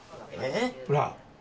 ほら。